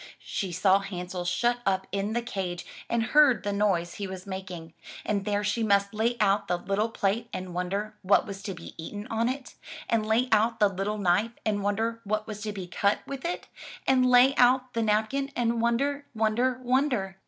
She saw Hansel shut up in the cage and heard the noise he was making, and there she must lay out the little plate and wonder what was to be eaten on it, and lay out the little knife and wonder what was to be cut with it, and lay out the napkin and wonder, wonder, wonder.